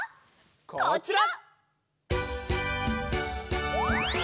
こちら！